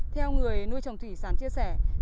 theo người nuôi trồng thủy sản chia sẻ